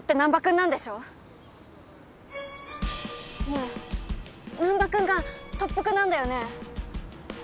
ねえ難破君が特服なんだよね？